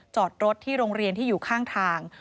จอดรถที่โรงเรียนที่อยู่ข้างทาง